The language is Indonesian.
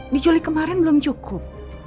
dijulik kemarin belum cukup